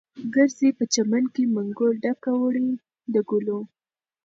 ګرځې په چمن کې، منګول ډکه وړې د ګلو